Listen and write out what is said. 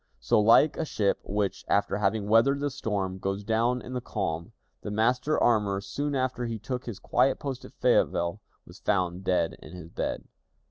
So, like a ship which, after having weathered the storm, goes down in the calm, the master armorer, soon after he took his quiet post at Fayetteville, was "found dead in his bed."